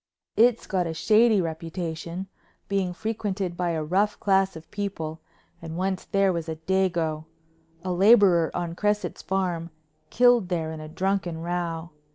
It's got a shady reputation, being frequented by a rough class of people and once there was a dago—a laborer on Cresset's Farm—killed there in a drunken row.